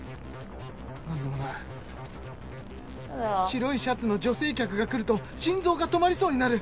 白いシャツの女性客が来ると心臓が止まりそうになる。